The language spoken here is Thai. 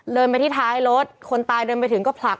มาที่ท้ายรถคนตายเดินไปถึงก็ผลัก